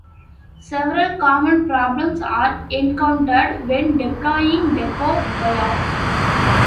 Several common problems are encountered when deploying deco buoys.